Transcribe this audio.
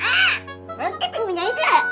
nanti pingginya hidup